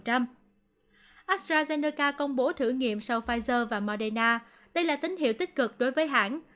astrazeneca công bố thử nghiệm sau pfizer và moderna đây là tính hiệu tích cực đối với hãng